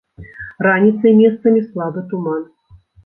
Раніцай месцамі слабы туман.